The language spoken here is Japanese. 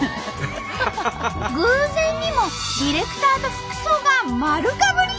偶然にもディレクターと服装がまるかぶり！